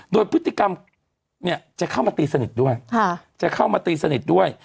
โดยพฤติกรรมจะเข้ามาตีสนิทด้วย